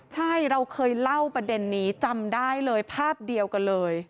ใช่เราเคยเล่าประเด็นนี้จำได้เลยภาพเดียวกันเลย